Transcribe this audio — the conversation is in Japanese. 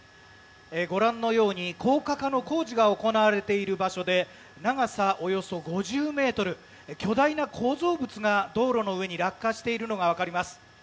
ご覧のように高架化の工事が行われている場所で長さおよそ５０ｍ巨大な構造物が道路の上に落下しているのがわかります。